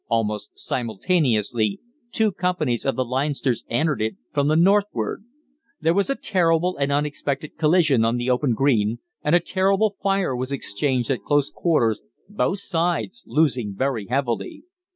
Almost simultaneously two companies of the Leinsters entered it from the northward. There was a sudden and unexpected collision on the open green, and a terrible fire was exchanged at close quarters, both sides losing very heavily.